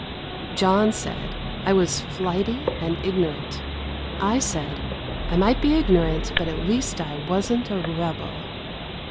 John said I was flighty and ignorant. I said I might be ignorant, but at least I wasn't a rebel.